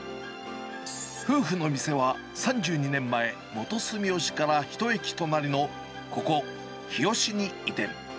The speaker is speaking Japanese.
夫婦の店は、３２年前、元住吉から１駅隣の、ここ、日吉に移転。